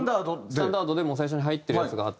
スタンダードでもう最初に入ってるやつがあって。